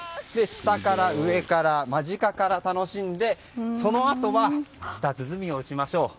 下から、上から間近から楽しんでそのあとは舌鼓を打ちましょう。